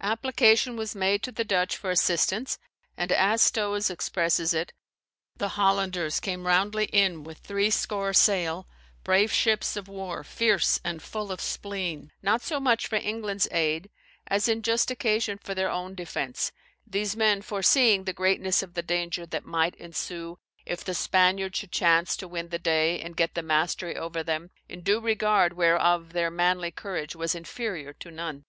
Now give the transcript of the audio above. Application was made to the Dutch for assistance; and, as Stows expresses it, "The Hollanders came roundly in, with threescore sail, brave ships of war, fierce and full of spleen, not so much for England's aid, as in just occasion for their own defence; these men foreseeing the greatness of the danger that might ensue, if the Spaniards should chance to win the day and get the mastery over them; in due regard whereof their manly courage was inferior to none."